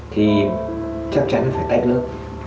thì chắc chắn nó phải tách nước